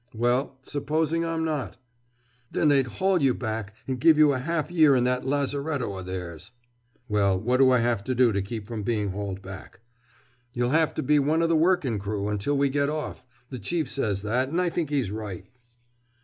"Well, supposing I'm not?" "Then they'd haul you back and give you a half year in that Lazaretto o' theirs!" "Well, what do I have to do to keep from being hauled back?" "You'll have to be one o' the workin' crew, until we get off. The Chief says that, and I think he's right!"